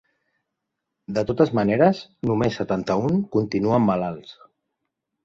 De totes maneres, només setanta-un continuen malalts.